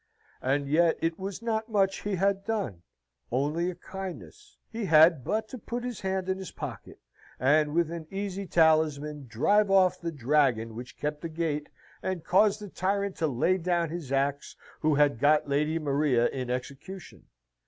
And yet it was not much he had done. Only a kindness. He had but to put his hand in his pocket, and with an easy talisman, drive off the dragon which kept the gate, and cause the tyrant to lay down his axe, who had got Lady Maria in execution.